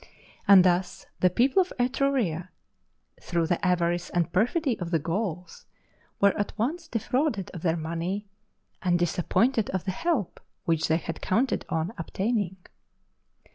And thus the people of Etruria, through the avarice and perfidy of the Gauls, were at once defrauded of their money and disappointed of the help which they had counted on obtaining.